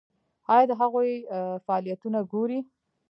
ایا د هغوی فعالیتونه ګورئ؟